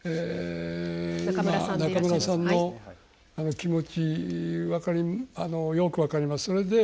中村さんの気持ちよく分かります。